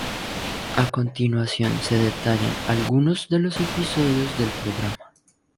A continuación se detallan algunos de los episodios del programa.